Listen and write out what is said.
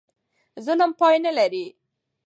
ظلم پای نه لري.